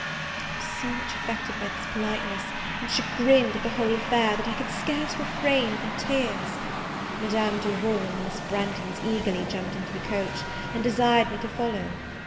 I was so much affected by this politeness, and chagrined at the whole affair, that I could scarce refrain from tears. Madame Duval, and the Miss Branghtons eagerly jumped into the coach, and desired me to follow.